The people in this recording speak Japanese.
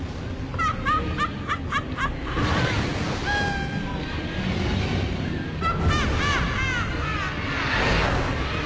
アハハハハ！